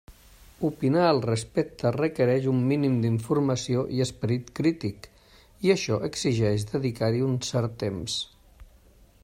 Opinar al respecte requereix un mínim d'informació i esperit crític, i això exigeix dedicar-hi un cert temps.